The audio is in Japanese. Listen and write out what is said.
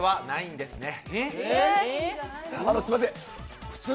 ないです！